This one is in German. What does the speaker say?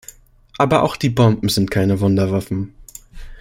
Aber auch die Bomben sind keine Wunderwaffen!